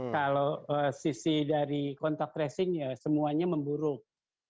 kalau sisi dari kontak tracing ya semuanya memburuk